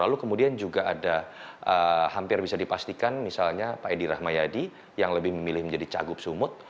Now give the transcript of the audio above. lalu kemudian juga ada hampir bisa dipastikan misalnya pak edi rahmayadi yang lebih memilih menjadi cagup sumut